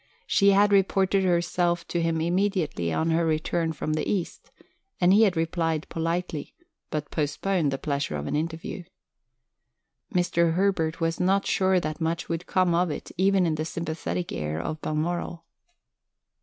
She had reported herself to him immediately on her return from the East, and he had replied politely, but postponed the pleasure of an interview. Mr. Herbert was not sure that much would come of it even in the sympathetic air of Balmoral.